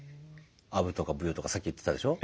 アブとかブヨとかさっき言ってたでしょ。